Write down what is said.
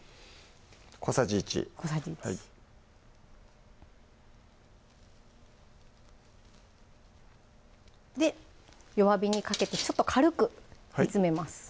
小さじ１小さじ１で弱火にかけてちょっと軽く煮詰めます